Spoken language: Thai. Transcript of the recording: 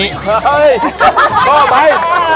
โห้ย